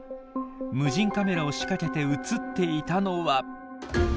無人カメラを仕掛けて写っていたのは。